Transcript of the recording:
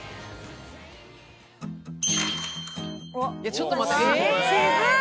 「ちょっと待って」「渋い！」